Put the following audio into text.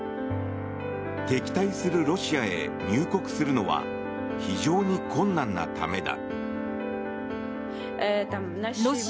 敵対するロシアへ入国するのは非常に困難なためだ。